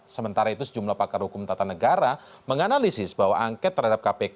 sementara itu sejumlah pakar hukum tata negara menganalisis bahwa angket terhadap kpk